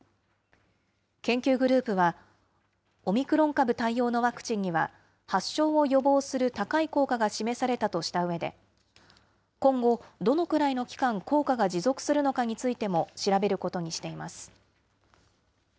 研究グループは、オミクロン株対応のワクチンには、発症を予防する高い効果が示されたとしたうえで、今後、どのくらいの期間、効果が持続するのかについても調べることにしています。